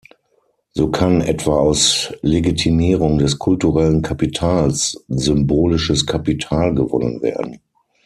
So kann etwa aus Legitimierung des kulturellen Kapitals "symbolisches Kapital" gewonnen werden.